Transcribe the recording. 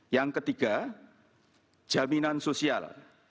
yang ketiga jaminan sosial